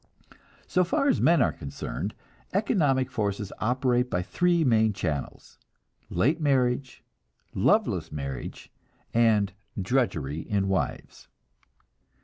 So far as men are concerned, economic forces operate by three main channels; late marriage, loveless marriage, and drudgery in wives.